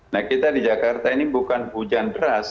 nah kita di jakarta ini bukan hujan deras